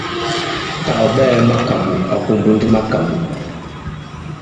Tâ ɔ̀ ɓɛɛ̄ makàɓò, ɔ̌ kùmbu ndi makàɓò.